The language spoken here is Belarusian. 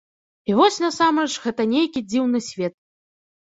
І вось насамрэч, гэта нейкі дзіўны свет.